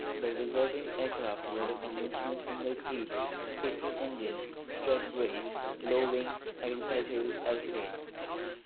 The resulting aircraft was a conventional single-seat, piston-engined, strut-braced low-wing agricultural airplane.